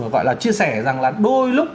gọi là chia sẻ rằng là đôi lúc